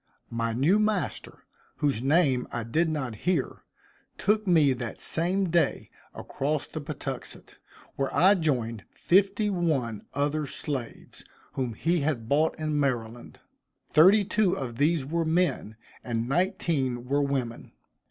My new master, whose name I did not hear, took me that same day across the Patuxent, where I joined fifty one other slaves, whom he had bought in Maryland. Thirty two of these were men, and nineteen were women.